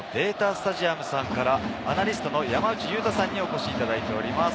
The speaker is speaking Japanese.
スタジアムさんから、アナリストの山内優太さんにお越しいただいております。